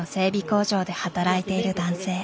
工場で働いている男性。